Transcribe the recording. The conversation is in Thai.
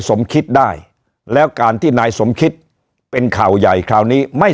สมคิดได้แล้วการที่นายสมคิดเป็นข่าวใหญ่คราวนี้ไม่